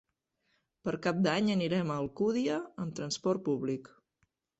Per Cap d'Any anirem a Alcúdia amb transport públic.